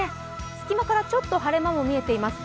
隙間からちょっと晴れ間も見えています。